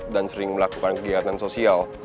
dan sering melakukan kegiatan sosial